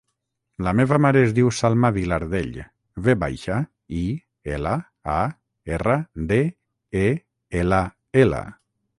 La meva mare es diu Salma Vilardell: ve baixa, i, ela, a, erra, de, e, ela, ela.